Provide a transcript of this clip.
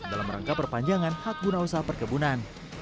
dalam rangka perpanjangan hak guna usaha perkebunan